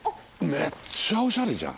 めっちゃおしゃれじゃん。